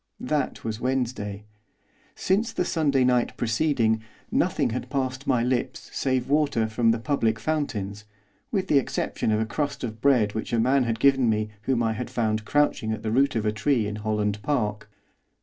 That was Wednesday. Since the Sunday night preceding nothing had passed my lips save water from the public fountains, with the exception of a crust of bread which a man had given me whom I had found crouching at the root of a tree in Holland Park.